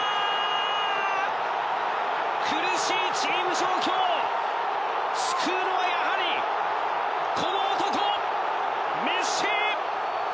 苦しいチーム状況救うのはやはりこの男、メッシ！